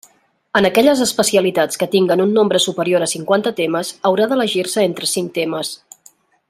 En aquelles especialitats que tinguen un nombre superior a cinquanta temes, haurà d'elegir-se entre cinc temes.